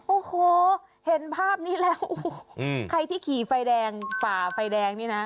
โอ้โหเห็นภาพนี้แล้วโอ้โหใครที่ขี่ไฟแดงฝ่าไฟแดงนี่นะ